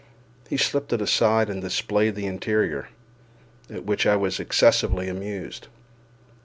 He slipped it aside and displayed the interior, at which I was excessively amused.